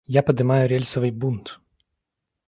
Я подымаю рельсовый бунт.